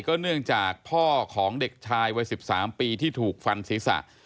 เนื่องจากพ่อของเด็กชายวัย๑๓ปีที่ถูกฟันศีรษะ